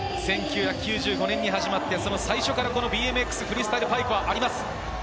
１９９５年に始まって、その最初からＢＭＸフリースタイルパークはあります。